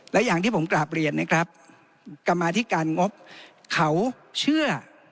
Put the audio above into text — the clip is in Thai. และอย่างที่ผมกราบเรียนนะครับกรรมาธิการงบเขาเชื่อ